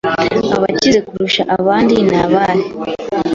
abakize kurusha abandi nabahe